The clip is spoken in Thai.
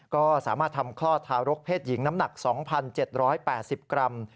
ก็สามารถทำคลอดทารกเพศหญิงน้ำหนัก๒๗๘๐กรัม